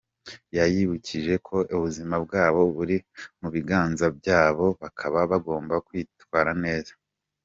Yabibukije ko ubuzima bwabo buri mu biganza byabo bakaba bagomba kwitwara neza.